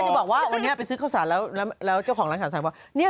จะบอกว่าวันนี้ไปซื้อข้าวสารแล้วเจ้าของร้านขายสารบอก